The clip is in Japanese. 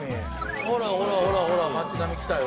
ほらほらほらほら町並みきたよ。